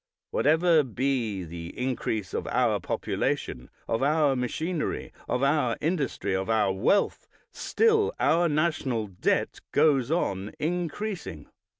Whatever be the increase of our population, of our machinery, of our industry, of our wealth, still our national debt goes on increasing.